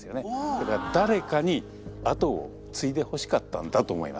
だから誰かに後を継いでほしかったんだと思います。